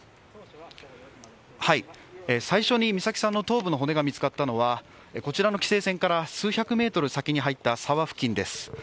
最初に美咲さんの頭部の骨が見つかったのはこちらの規制線から数百メートル先に入った沢付近です。